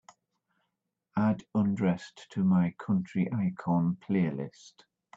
add undressed to my Country Icon playlist